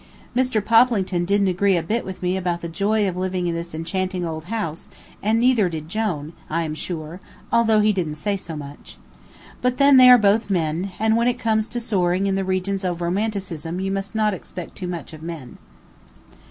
Mr. Poplington didn't agree a bit with me about the joy of living in this enchanting old house, and neither did Jone, I am sure, although he didn't say so much. But then, they are both men, and when it comes to soaring in the regions of romanticism you must not expect too much of men.